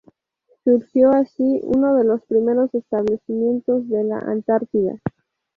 Surgió así uno de los primeros establecimientos de la Antártida.